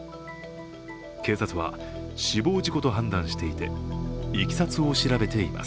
警察は死亡事故と判断していていきさつを調べています。